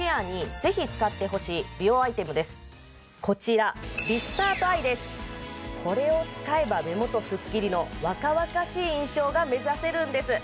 今日はこちらこれを使えば目元スッキリの若々しい印象が目指せるんです